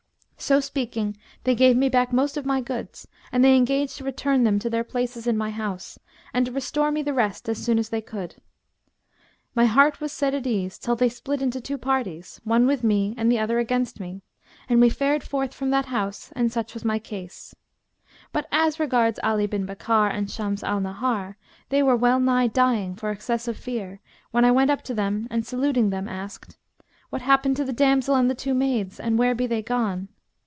So speaking, they gave me back most of my goods and they engaged to return them to their places in my house, and to restore me the rest as soon as they could. My heart was set at ease till they split into two parties, one with me and the other against me; and we fared forth from that house and such was my case. But as regards Ali bin Bakkar and Shams al Nahar; they were well nigh dying for excess of fear, when I went up to them and saluting them, asked, 'What happened to the damsel and the two maids, and where be they gone?'